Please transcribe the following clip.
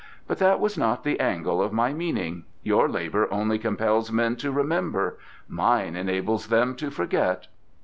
But that was not the angle of my meaning: your labour only compels men to remember; mine enables them to forget."